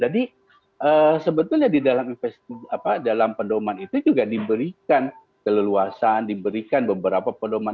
jadi sebetulnya di dalam pendoman itu juga diberikan keleluasan diberikan beberapa pendoman